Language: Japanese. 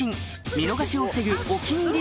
見逃しを防ぐ「お気に入り」